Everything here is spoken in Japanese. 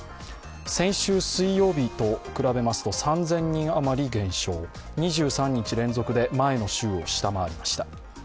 先週水曜日と比べますと３０００人余り減少、２３日連続で前の週を下回りました。